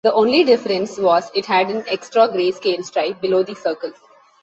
The only difference was it had an extra greyscale stripe below the circle.